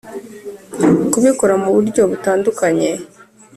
Kubikora mu buryo butandukanye